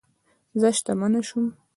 زه شتمنه شوم